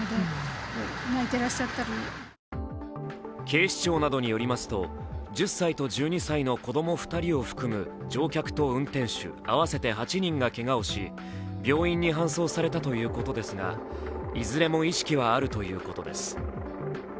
警視庁などによりますと、１０歳と１２歳の子供２人を含む乗客と運転手合わせて８人がけがをし病院に搬送されたということですがいずれも意識はあるということです。